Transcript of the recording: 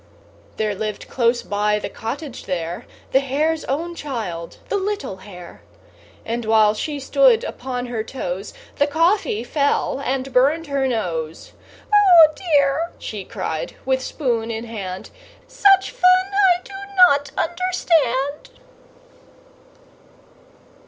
There lived close by the cottage there The hare's own child, the little hare; And while she stood upon her toes, The coffee fell and burned her nose. "Oh dear!" she cried, with spoon in hand, "Such fun I do not understand."